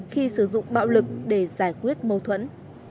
khi sử dụng bạo lực để giải quyết mâu thuẫn